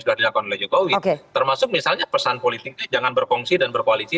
sudah dilakukan oleh jokowi termasuk misalnya pesan politiknya jangan berfungsi dan berkoalisi